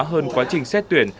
hơn quá trình xét tuyển